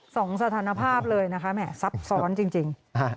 สถานภาพเลยนะคะแหม่ซับซ้อนจริง